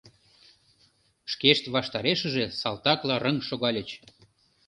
Шкешт ваштарешыже салтакла рыҥ шогальыч.